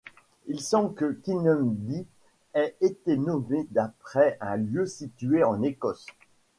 Il semble que Kinmundy ait été nommée d’après un lieu situé en Écosse.